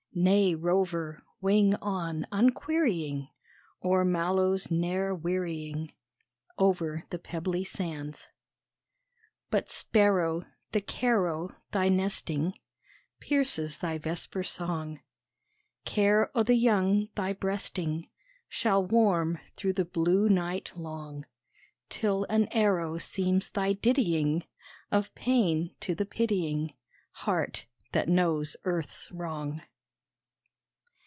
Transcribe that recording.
Nay rover, wing on unquerying O'er mallows ne'er wearying Over the pebbly sands! But sparrow, the care o' Thy nesting Pierces thy vesper song Care o' the young thy breasting Shall warm through the blue night long Till, an arrow, seems thy dittying, Of pain to the pitying Heart that knows earth's wrong.